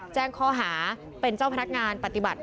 แจ้งข้อหาเป็นเจ้าพนักงานปฏิบัติ